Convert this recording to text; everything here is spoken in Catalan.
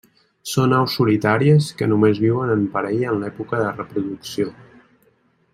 Són aus solitàries que només viuen en parella en l'època de reproducció.